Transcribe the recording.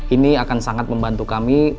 ini akan sangat membantu kami